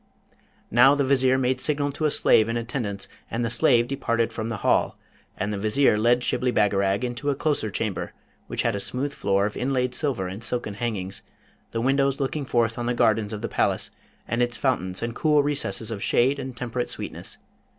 Now, the Vizier made signal to a slave in attendance, and the slave departed from the Hall, and the Vizier led Shibli Bagarag into a closer chamber, which had a smooth floor of inlaid silver and silken hangings, the windows looking forth on the gardens of the palace and its fountains and cool recesses of shade and temperate sweetness.